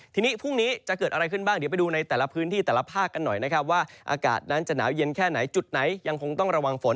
ทีนี้พรุ่งนี้จะเกิดอะไรขึ้นบ้างเดี๋ยวไปดูในแต่ละพื้นที่แต่ละภาคกันหน่อยนะครับว่าอากาศนั้นจะหนาวเย็นแค่ไหนจุดไหนยังคงต้องระวังฝน